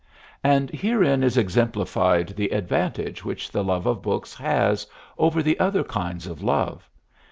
And herein is exemplified the advantage which the love of books has over the other kinds of love.